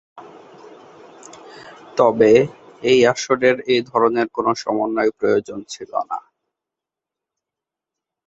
তবে, এই আসরের এই ধরনের কোন সমন্বয় প্রয়োজন ছিল না।